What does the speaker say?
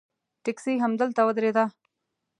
ټیکسي همدلته ودرېده.